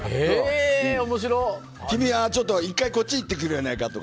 君は１回こっち行ってくれないかとか。